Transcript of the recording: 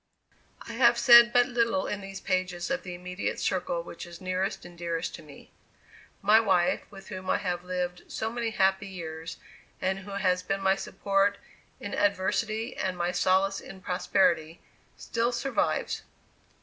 I have said but little in these pages of the immediate circle which is nearest and dearest to me. My wife, with whom I have lived so many happy years, and who has been my support in adversity and my solace in prosperity, still survives.